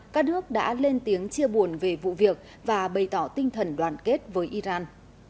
các nước đã lên tiếng chia buồn về vụ việc và bày tỏ tinh thần đoàn kết với iran